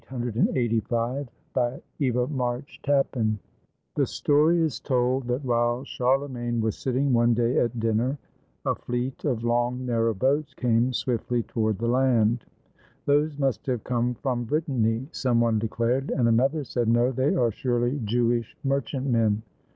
ROLLO THE VIKING BY EVA MARCH TAPPAN The story is told that while Charlemagne was sitting one day at dinner, a fleet of long, narrow boats came swiftly toward the land. "Those must have come from Brittany," some one declared; and another said, "No, they are surely Jev/ish merchantmen."